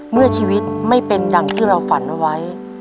เมื่อชีวิตไม่เป็นอย่างที่เราฝันไว้